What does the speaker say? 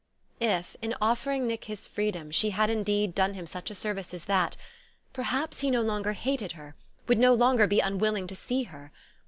If in offering Nick his freedom she had indeed done him such a service as that, perhaps he no longer hated her, would no longer be unwilling to see her....